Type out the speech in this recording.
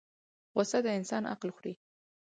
غصه د انسان عقل خوري